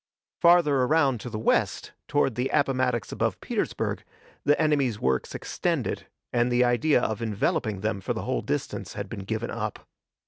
Farther around to the west, toward the Appomattox above Petersburg, the enemy's works extended, and the idea of enveloping them for the whole distance had been given up.